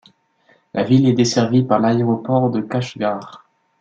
La ville est desservie par l'aéroport de Kachgar.